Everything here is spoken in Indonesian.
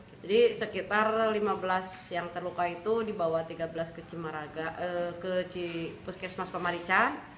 jadi sekitar lima belas yang terluka itu dibawa tiga belas ke cimaraga ke puskesmas pamarican